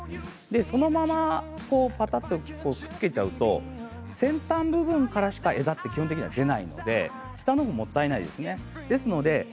そのままぱたっとくっつけてしまうと先端部分からしか枝が基本的には出ないので下の部分がもったいないですね。